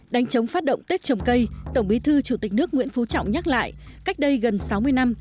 đánh chống phát động tết trồng cây tổng bí thư chủ tịch nước nguyễn phú trọng nhắc lại cách đây gần sáu mươi năm